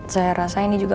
saya rasa ini juga